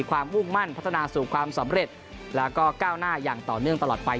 มุ่งมั่นพัฒนาสู่ความสำเร็จแล้วก็ก้าวหน้าอย่างต่อเนื่องตลอดไป